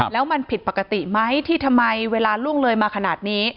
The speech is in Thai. แล้วมันผิดปกติไหมที่ทำไมเวลาล่วงเลยมาขนาดนี้